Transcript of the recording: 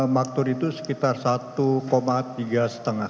maktur itu sekitar satu tiga lima